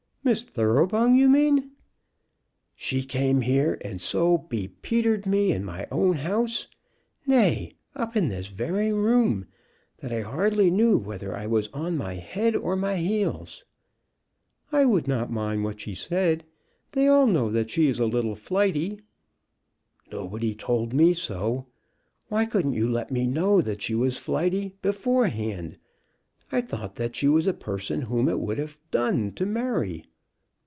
"Miss Thoroughbung, you mean?" "She came here, and so be Petered me in my own house, nay, up in this very room, that I hardly knew whether I was on my head or my heels." "I would not mind what she said. They all know that she is a little flighty." "Nobody told me so. Why couldn't you let me know that she was flighty beforehand? I thought that she was a person whom it would have done to marry."